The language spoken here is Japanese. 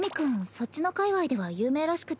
そっちの界隈では有名らしくて。